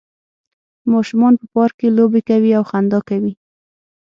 ماشومان په پارک کې لوبې کوي او خندا کوي